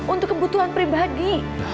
untuk kebutuhan pribadi